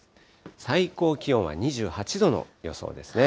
最高気温は２８度の予想ですね。